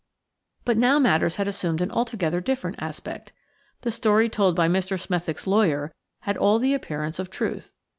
But now matters had assumed an altogether different aspect. The story told by Mr. Smethick's lawyer had all the appearance of truth.